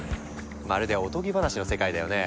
まるでおとぎ話の世界だよね。